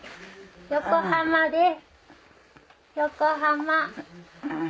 横浜です横浜。